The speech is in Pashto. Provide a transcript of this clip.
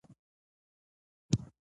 مېلې د نوو ذهنونو له پاره الهام بخښي.